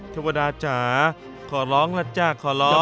ทศวรรษาจ๋าขอร้องล่ะจ้ะขอร้อง